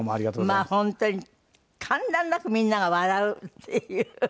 まあ本当に間断なくみんなが笑うっていう。